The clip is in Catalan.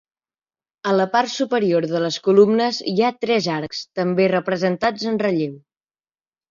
A la part superior de les columnes hi ha tres arcs, també representats en relleu.